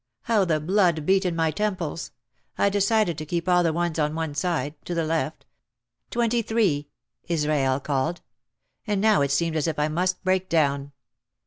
How the blood beat in my temples! I decided to keep all the ones on one side, to the left. "23" Israel called. And now it seemed as if I must break down.